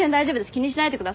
気にしないでください。